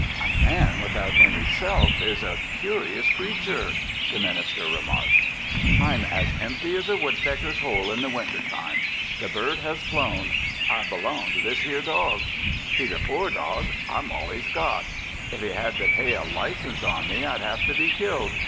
"A man without any Self is a curious creature," the minister remarked. "I'm as empty as a woodpecker's hole in the winter time. The bird has flown. I belong to this 'ere dog. He's a poor dog. I'm all he's got. If he had to pay a license on me I'd have to be killed.